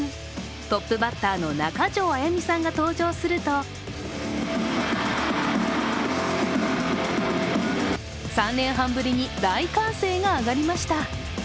トップバッターの中条あやみさんが登場すると３年半ぶりに大歓声が上がりました